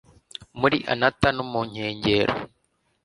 muri anata 'no mu nkengero'